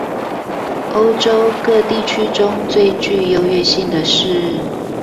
歐洲各地區中最具優越性的是